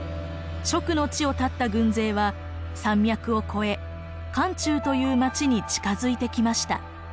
蜀の地をたった軍勢は山脈を越え漢中という町に近づいてきました。